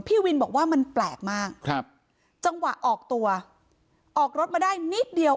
พี่วินบอกว่ามันแปลกมากครับจังหวะออกตัวออกรถมาได้นิดเดียว